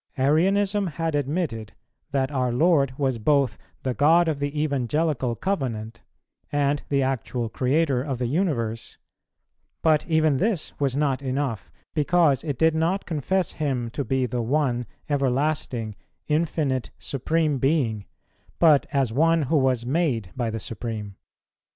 Arianism had admitted that our Lord was both the God of the Evangelical Covenant, and the actual Creator of the Universe; but even this was not enough, because it did not confess Him to be the One, Everlasting, Infinite, Supreme Being, but as one who was made by the Supreme.